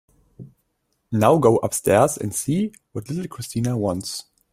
Now go upstairs and see what little Christina wants.